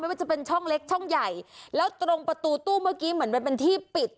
ว่าจะเป็นช่องเล็กช่องใหญ่แล้วตรงประตูตู้เมื่อกี้เหมือนมันเป็นที่ปิด